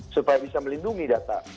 supaya bisa melindungi data